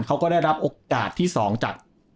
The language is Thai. เขาก็ได้รับโอกาสที่๒จาก